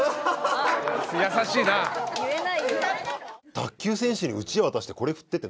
卓球選手にうちわ渡して。